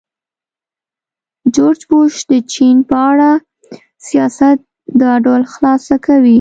جورج بوش د چین په اړه سیاست دا ډول خلاصه کوي.